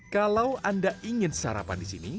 kalau anda ingin sarapan di sini